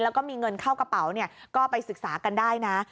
แล้วก็มีเงินเข้ากระเป๋าก็ไปศึกษากันได้นะ